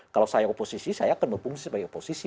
kalau saya oposisi saya akan berfungsi sebagai oposisi